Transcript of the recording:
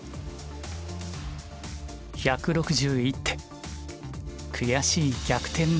１６１手悔しい逆転